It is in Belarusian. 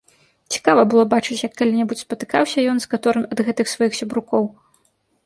Цікава было бачыць, як калі-небудзь спатыкаўся ён з каторым ад гэтых сваіх сябрукоў.